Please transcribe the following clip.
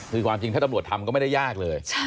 คือความจริงถ้าตำรวจทำก็ไม่ได้ยากเลย